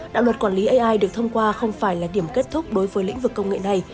đạo luật quản lý ai được thông qua không phải là điểm kết thúc đối với lĩnh vực công nghệ này